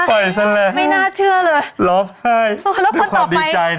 ปล่อยสันแหละค่ะรอบให้ได้ความดีใจนะครับน้าเชื่อเลย